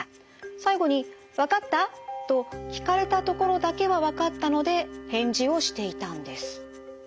最後に「わかった？」と聞かれたところだけはわかったので返事をしていたんです。